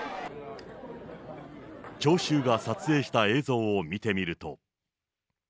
聴衆が撮影した映像を見てみると。